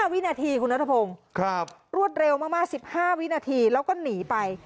วินาทีคุณนัทพงศ์รวดเร็วมาก๑๕วินาทีแล้วก็หนีไป